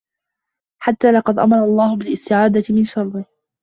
حَتَّى لَقَدْ أَمَرَ اللَّهُ بِالِاسْتِعَاذَةِ مِنْ شَرِّهِ